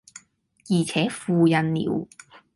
而且付印了，